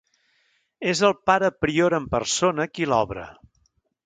És el pare prior en persona qui l'obre.